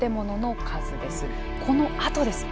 このあとです。